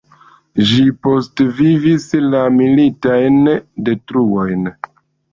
Ĝi postvivis la militajn detruojn.